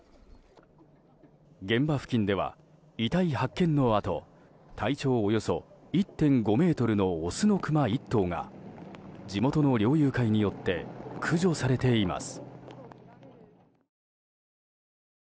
現場付近では、遺体発見のあと体長およそ１．５ｍのオスのクマ１頭が地元の猟友会によって駆除されています。